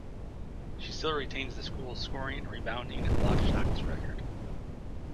She still retains the schools scoring, rebounding and blocked shots record.